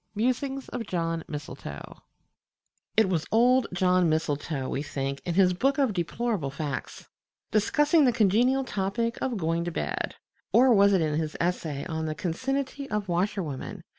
MUSINGS OF JOHN MISTLETOE It was old John Mistletoe, we think, in his "Book of Deplorable Facts," discussing the congenial topic of "Going to Bed" (or was it in his essay on "The Concinnity of Washerwomen?")